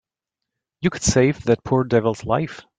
You could save that poor devil's life.